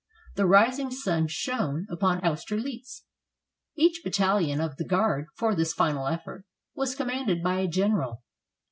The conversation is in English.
The rising sun shone upon Austerlitz. Each battalion of the Guard, for this final effort, was commanded by a general.